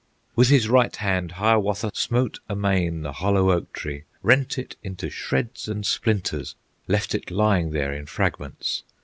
With his right hand Hiawatha Smote amain the hollow oak tree, Rent it into shreds and splinters, Left it lying there in fragments.